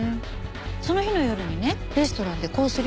その日の夜にねレストランでコース